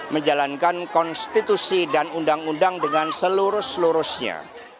menjalankan konstitusi dan undang undang dengan seluruh seluruhnya